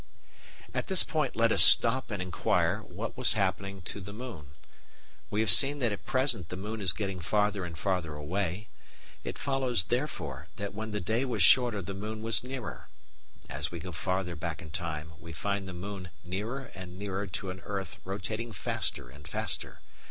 At this point let us stop and inquire what was happening to the moon. We have seen that at present the moon is getting farther and farther away. It follows, therefore, that when the day was shorter the moon was nearer. As we go farther back in time we find the moon nearer and nearer to an earth rotating faster and faster.